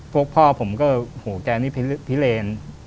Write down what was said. พวกพ่อผมก็โหแกนี่พิเลน